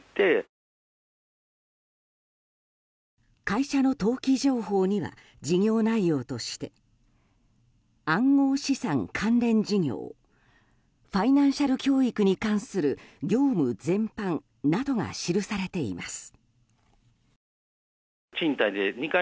会社の登記情報には事業内容として暗号資産関連事業ファイナンシャル教育に関する業務全般などが記されています。